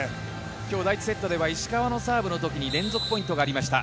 第１セットでは石川のサーブの時に連続ポイントがありました。